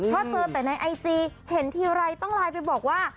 เพราะเจอแต่ในไอจีเห็นทีไรต้องไลน์ไปบอกว่า